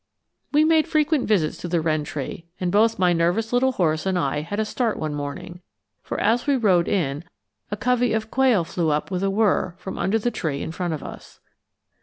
We made frequent visits to the wren tree, and both my nervous little horse and I had a start one morning, for as we rode in, a covey of quail flew up with a whirr from under the tree in front of us.